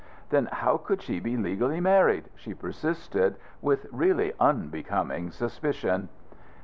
"Then how could she be legally married?" she persisted, with really unbecoming suspicion.